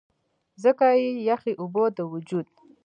ځکه چې يخې اوبۀ د وجود